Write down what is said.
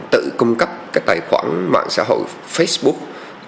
tự cung cấp các tài khoản mạng xã hội facebook